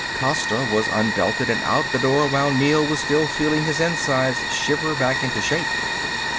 Costa was unbelted and out the door while Neel was still feeling his insides shiver back into shape.